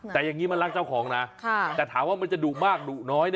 แต่อย่างนี้มันรักเจ้าของนะแต่ถามว่ามันจะดุมากดุน้อยนะ